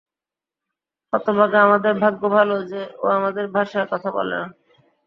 হতভাগা, আমাদের ভাগ্যভালো যে ও আমাদের ভাষায় কথা বলে না।